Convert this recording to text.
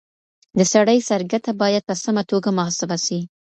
د سړي سر ګټه بايد په سمه توګه محاسبه سي.